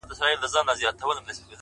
ه ټول ياران دې ولاړل له يارانو سره-